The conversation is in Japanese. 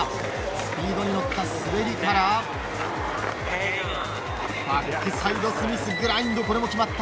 スピードに乗った滑りからバックサイドスミスグラインドこれも決まった。